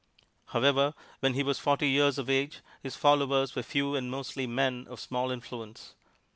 However, when he was forty years of age his followers were few and mostly men of small influence.